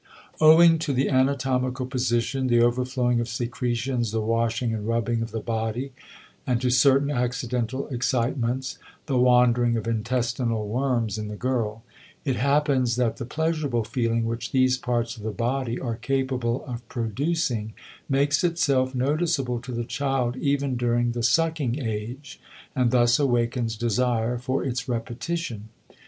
Owing to the anatomical position, the overflowing of secretions, the washing and rubbing of the body, and to certain accidental excitements (the wandering of intestinal worms in the girl), it happens that the pleasurable feeling which these parts of the body are capable of producing makes itself noticeable to the child even during the sucking age, and thus awakens desire for its repetition.